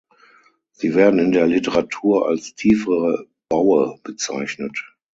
Sie werden in der Literatur als tiefere Baue bezeichnet.